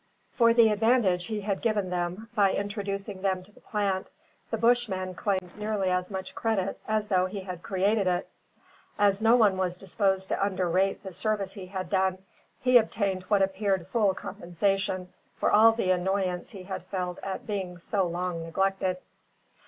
For the advantage he had given them, by introducing them to the plant, the Bushman claimed nearly as much credit as though he had created it. As no one was disposed to underrate the service he had done, he obtained what appeared full compensation for all the annoyance he had felt at being so long neglected.